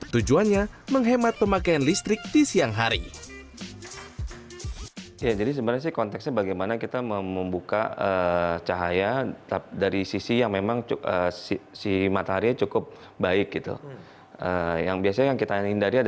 tujuannya menghemat pemakaian listrik di siang hari